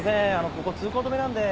ここ通行止めなんで。